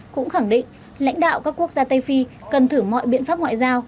cũng khẳng định lãnh đạo các quốc gia tây phi cần thử mọi biện pháp ngoại giao